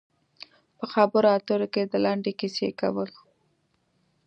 په خبرو اترو کې د لنډې کیسې کول.